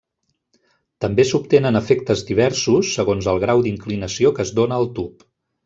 També s'obtenen efectes diversos segons el grau d'inclinació que es dóna al tub.